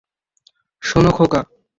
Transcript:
শোনো, খোকা!